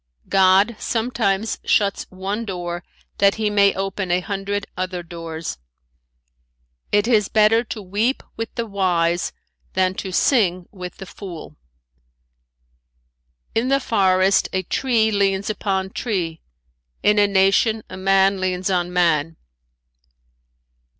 "God sometimes shuts one door that he may open a hundred other doors. "It is better to weep with the wise than to sing with the fool. "In the forest a tree leans upon tree, in a nation a man leans on man.